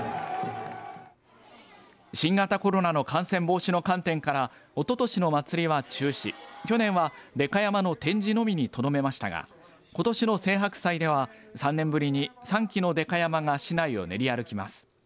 新型コロナの感染防止の観点からおととしの祭りは中止去年は、でか山の展示のみにとどめましたがことしの青柏祭では３年ぶりに３基のでか山が市内を練り歩きます。